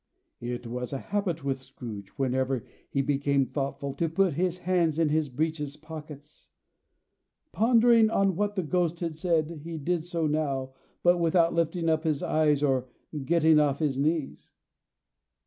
It was a habit with Scrooge, whenever he became thoughtful, to put his hands in his breeches' pockets. Pondering on what the Ghost had said, he did so now, but without lifting up his eyes, or getting off his knees.